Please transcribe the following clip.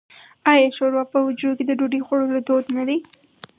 آیا شوروا په حجرو کې د ډوډۍ خوړلو دود نه دی؟